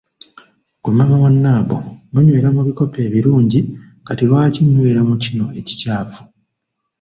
Gwe mama wa Nambo, munywera mu bikopo ebirungi kati lwaki nywera mu kino ekikyafu?"